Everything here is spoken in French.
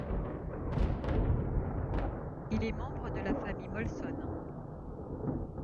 Il est membre de la famille Molson.